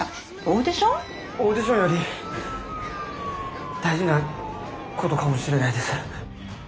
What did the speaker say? オーディションより大事なことかもしれないです。